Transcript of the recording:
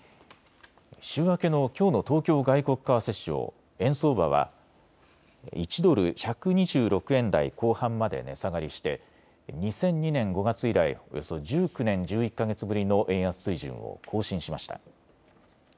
週明けのきょうの東京外国為替市場、円相場は１ドル１２６円台後半まで値下がりして２００２年５月以来、およそ１９年１１か月ぶりの円安水準を更新しました。